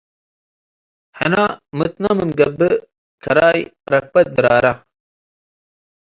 ሕነ ምትነ ምንገብእ ከራይ ረክበት ድራረ